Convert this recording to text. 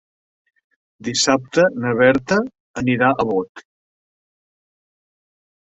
Dissabte na Berta anirà a Bot.